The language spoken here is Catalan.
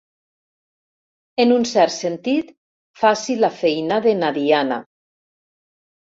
En un cert sentit, faci la feina de na Diana.